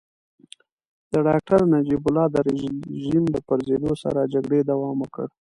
د ډاکټر نجیب الله د رژيم له پرزېدو سره جګړې دوام وکړ.